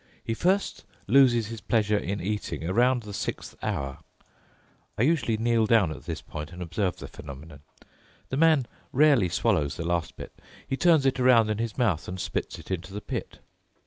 He first loses his pleasure in eating around the sixth hour. I usually kneel down at this point and observe the phenomenon. The man rarely swallows the last bit. He turns it around in his mouth and spits it into the pit.